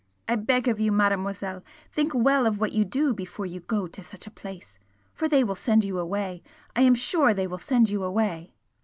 I beg of you, Mademoiselle, think well of what you do before you go to such a place! for they will send you away I am sure they will send you away!"